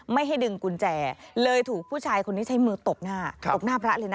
ไม่ให้ดึงกุญแจเลยถูกผู้ชายคนนี้ใช้มือตบหน้า